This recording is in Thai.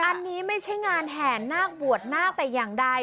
อันนี้ไม่ใช่งานแห่นาคบวชนาคแต่อย่างใด